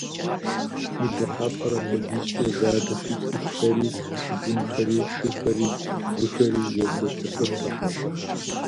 Мы дыхьэпӏэр апхуэдизкӏэ задэти, цӏыхухэри, былымхэри, шыхэри, выхэри екӏуэкӏыфыртэкъым.